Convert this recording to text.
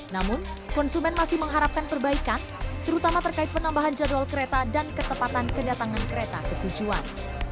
namun konsumen masih mengharapkan perbaikan terutama terkait penambahan jadwal kereta dan ketepatan kedatangan kereta ke tujuan